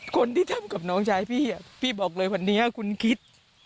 คนที่ทำกับน้องชายพี่พี่บอกเลยวันนี้คุณคิด